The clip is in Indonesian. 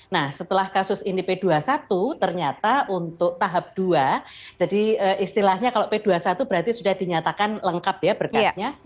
nah setelah kasus ini p dua puluh satu ternyata untuk tahap dua jadi istilahnya kalau p dua puluh satu berarti sudah dinyatakan lengkap ya berkasnya